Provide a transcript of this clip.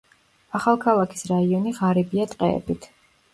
ახალქალაქის რაიონი ღარიბია ტყეებით.